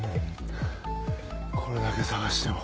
これだけ捜しても。